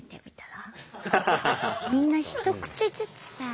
みんな一口ずつさあ。